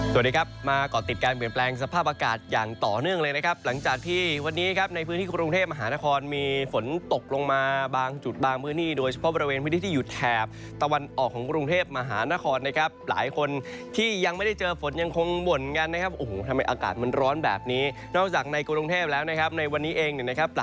สวัสดีครับมาก่อติดการเปลี่ยนแปลงสภาพอากาศอย่างต่อเนื่อง